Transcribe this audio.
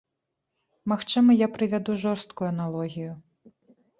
Магчыма, я прывяду жорсткую аналогію.